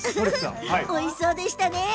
おいしそうでしたね。